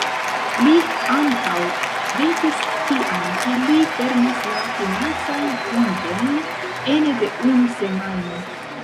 Li ankaŭ vetis tiam, ke li fermos la financajn kontojn ene de unu semajno.